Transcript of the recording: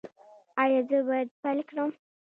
ایا زه باید پیل کړم؟